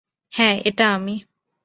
হ্যা, এটা আমি।